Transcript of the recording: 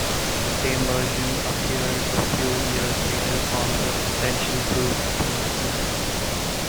The same version appeared a few years later on "The Essential Bruce Springsteen".